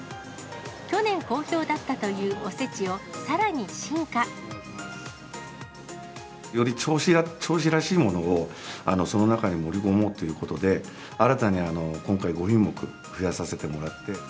去年好評だったというおせちをさらに進化。より銚子らしいものを、その中に盛り込もうということで、新たに今回５品目増やさせてもらって。